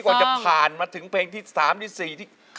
กว่าจะผ่านมาถึงเพลงที่๓ที่๔ที่